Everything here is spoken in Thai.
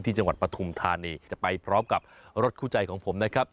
จังหวัดปฐุมธานีจะไปพร้อมกับรถคู่ใจของผมนะครับ